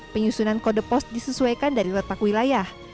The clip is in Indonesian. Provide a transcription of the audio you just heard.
penyusunan kode pos disesuaikan dari letak wilayah